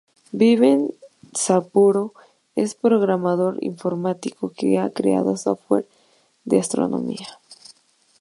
Vive en Sapporo es programador informático que ha creado software de astronomía.